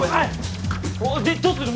でどうする？